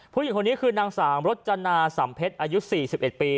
ผู้หญิงคนนี้คือนางสามรจนาสำเพชรอายุ๔๑ปี